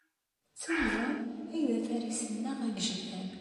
D timẓin ay d afaris-nneɣ agejdan.